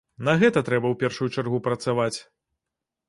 На гэта трэба ў першую чаргу працаваць.